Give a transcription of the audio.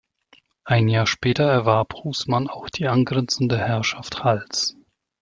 Ein Jahr später erwarb Husmann auch die angrenzende Herrschaft Hals.